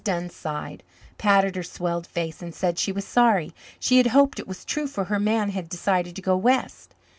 Dunn sighed, patted her swelled face, and said she was sorry; she had hoped it was true, for her man had decided to go west.